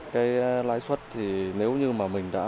cái lãi suất thì nếu như mà mình đã